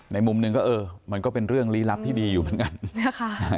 มุมหนึ่งก็เออมันก็เป็นเรื่องลี้ลับที่ดีอยู่เหมือนกันนะคะ